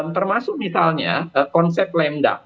termasuk misalnya konsep lemda